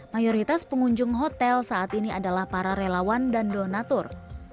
mayoritas pengunjung hotel saat ini adalah para relawan dan donatur